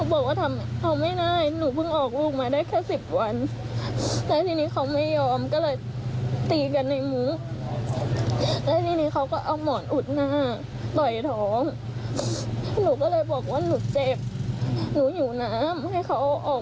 เขาก็ออกไปหนูก็เลยเดินตามออกไปข้างนอก